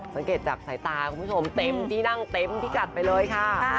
สังเกตจากสายตาคุณผู้ชมเต็มที่นั่งเต็มพิกัดไปเลยค่ะ